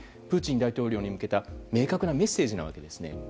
プーチン大統領に向けた明確なメッセージなわけです。